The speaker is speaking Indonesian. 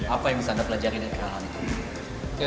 apa yang bisa anda pelajari dan kenalkan